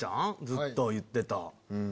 ずっと言ってた。